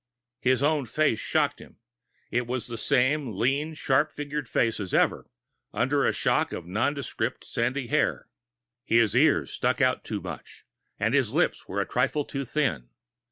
His own face shocked him. It was the same lean, sharp featured face as ever, under the shock of nondescript, sandy hair. His ears still stuck out too much, and his lips were a trifle too thin.